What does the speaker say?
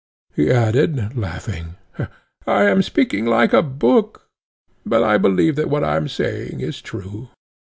He added, laughing, I am speaking like a book, but I believe that what I am saying is true.